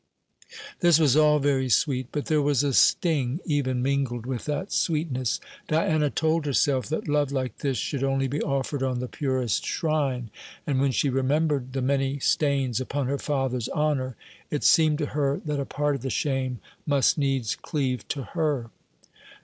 This was all very sweet, but there was a sting even mingled with that sweetness. Diana told herself that love like this should only be offered on the purest shrine; and when she remembered the many stains upon her father's honour, it seemed to her that a part of the shame must needs cleave to her.